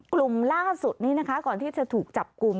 กลุ่มล่าสุดนี้นะคะก่อนที่จะถูกจับกลุ่ม